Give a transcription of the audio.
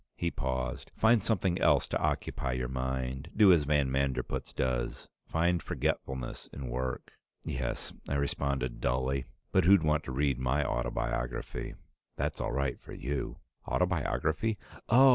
He paused. "Find something else to occupy your mind. Do as van Manderpootz does. Find forgetfulness in work." "Yes," I responded dully. "But who'd want to read my autobiography? That's all right for you." "Autobiography? Oh!